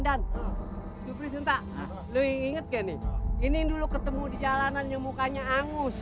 dan suprih sumpah lo inget gak nih ini yang dulu ketemu di jalanan yang mukanya angus